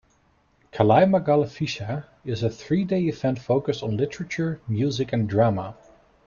Kalaimagal Vizha is a three-day event focussed on literature, music and drama.